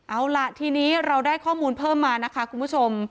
เอาล่ะทีนี้เราได้ข้อมูลเพิ่มมานะคะคุณผู้ชม